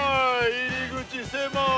入り口狭い！